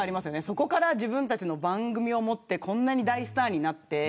そこから自分たちの番組を持ってこんなに大スターになって。